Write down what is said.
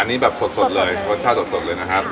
อันนี้แบบสดเลยรสชาติสดเลยนะครับ